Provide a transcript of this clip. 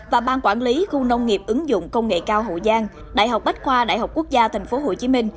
và ban quản lý khu nông nghiệp ứng dụng công nghệ cao hậu giang đại học bách khoa đại học quốc gia tp hcm